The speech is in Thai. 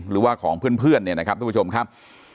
หรือว่าของเพื่อนเนี่ยนะครับทุกผู้ชมครับ